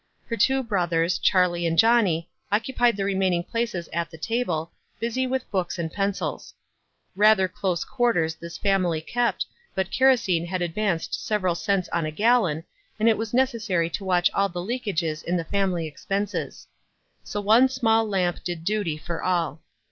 Her two brothers, Charlie and Johnny, occupied the remaining places at the table, busy with books and pencils. Rather close quarters this family kept, but kerosene had advanced several cents on a gallon, and it was necessary to watch all the leakages in the family expenses. So one small lamp did duty for all.